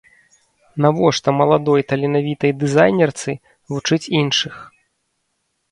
Навошта маладой таленавітай дызайнерцы вучыць іншых?